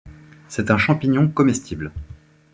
C'est un champignon comestible.